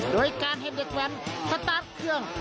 โดยการให้เด็กแว้นสตาร์ทเครื่อง